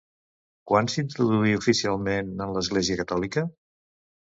Quan s'introduí oficialment en l'Església catòlica?